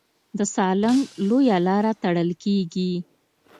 د سالنګ لویه لاره تړل کېږي.